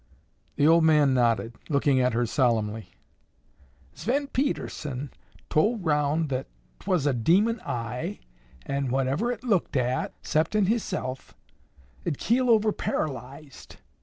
The old man nodded, looking at her solemnly. "Sven Pedersen tol' 'round that 'twas a demon eye, an' that whatever it looked at, 'ceptin' hisself, 'd keel over paralyzed.